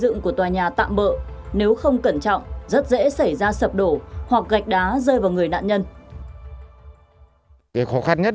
lực lượng của tòa nhà tạm bỡ nếu không cẩn trọng rất dễ xảy ra sập đổ hoặc gạch đá rơi vào người nạn nhân